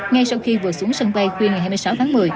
ngay sau khi vừa xuống sân bay khuya ngày hai mươi sáu tháng một mươi